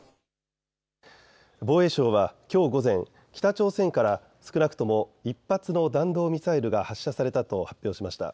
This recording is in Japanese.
防衛省はきょう午前、北朝鮮から少なくとも１発の弾道ミサイルが発射されたと発表しました。